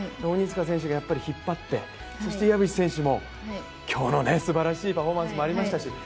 鬼塚選手がやっぱり引っ張ってそして岩渕選手も、今日の素晴らしいパフォーマンスもありましたし